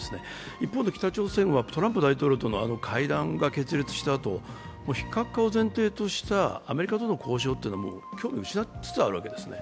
一方で北朝鮮はトランプ大統領との会談が決裂したあと、非核化を前提としたアメリカとの交渉というのは興味を失いつつあるわけですね。